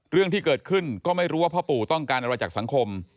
เรื่องที่เกิดขึ้นก็ไม่รู้ว่าพ่อปู่ต้องการอะไรจากสังคม